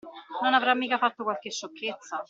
Non avrà mica fatto qualche sciocchezza?